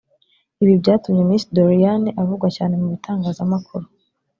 Ibi byatumye Miss Doriane avugwa cyane mu bitangazamakuru